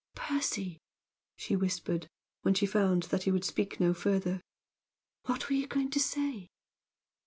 "Percy!" she whispered, when she found that he would speak no further. "What were you going to say?"